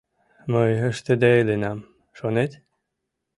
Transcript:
Мый ыштыде иленам, шонет?